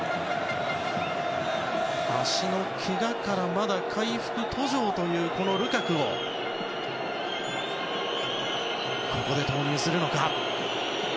足のけがからまだ回復途上というルカクをここで投入するのか。